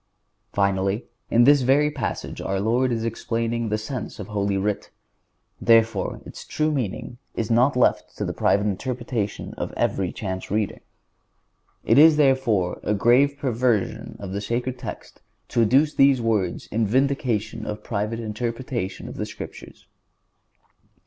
Finally, in this very passage our Lord is explaining the sense of Holy Writ; therefore, its true meaning is not left to the private interpretation of every chance reader. It is, therefore, a grave perversion of the sacred text to adduce these words in vindication of private interpretation of the Scriptures.